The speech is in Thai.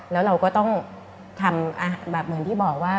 แล้วเราก็ต้องทำแบบเหมือนที่บอกว่า